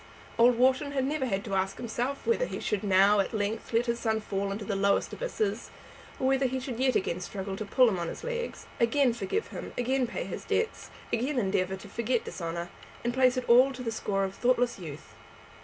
Old Wharton had never had to ask himself whether he should now, at length, let his son fall into the lowest abysses, or whether he should yet again struggle to put him on his legs, again forgive him, again pay his debts, again endeavour to forget dishonour, and place it all to the score of thoughtless youth.